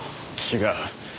違う。